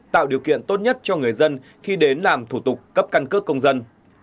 tạo điều kiện tốt nhất cho người dân khi đến làm thủ tục cấp căn cước công dân